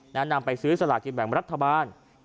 นำไปซื้อสลากินแบ่งรัฐบาล